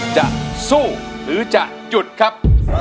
จะสู้หรือจะหยุดครับ